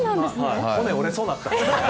骨折れそうになった。